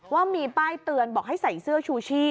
ว่ามีป้ายเตือนบอกให้ใส่เสื้อชูชี่